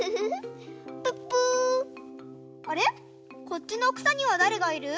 こっちのくさにはだれがいる？